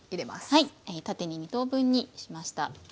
はい縦に２等分にしました。